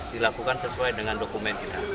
dilakukan sesuai dengan dokumen kita